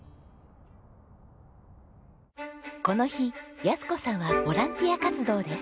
この日安子さんはボランティア活動です。